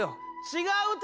違うって。